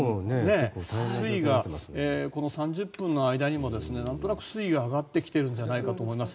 水位がこの３０分の間にもなんとなく水位が上がってきているんじゃないかと思います。